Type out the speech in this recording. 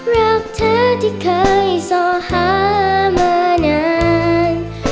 รักเธอที่เคยส่อหามานาน